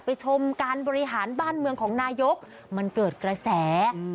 ชมการบริหารบ้านเมืองของนายกมันเกิดกระแส